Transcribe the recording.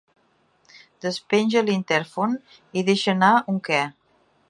Despenja l'intèrfon i deixa anar un què.